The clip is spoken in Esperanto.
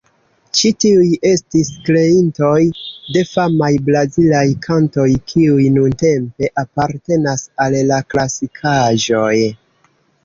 Ĉi tiuj estis kreintoj de famaj brazilaj kantoj, kiuj nuntempe apartenas al la klasikaĵoj.